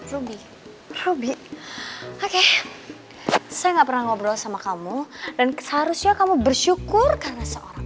roby ruby oke saya nggak pernah ngobrol sama kamu dan seharusnya kamu bersyukur karena seorang